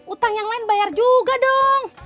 utang yang lain bayar juga dong